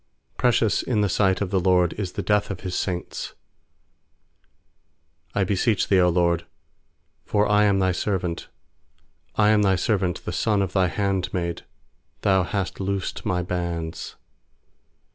15Precious in the sight of the LORD Is the death of His saints. 16I beseech Thee, 0 LORD, for I am Thy servant; I am Thy servant, the son of Thy handmaid; Thou hast loosed my bands.